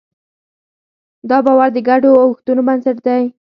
دا باور د ګډو ارزښتونو بنسټ دی.